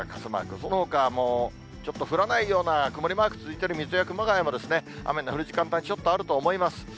そのほか、ちょっと降らないような曇りマークついてる水戸や熊谷も、雨の降る時間帯、ちょっとあると思います。